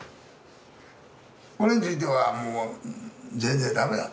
これについてはもう全然だめだと。